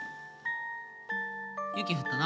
雪降ったな。